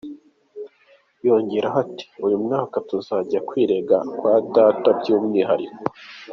Yongeyeho ati "Uyu mwaka tuzajya kwirega kwa Data by’umwihariko.